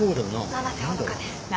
七瀬ほのかです。